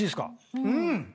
うん！